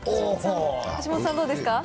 橋本さん、どうですか？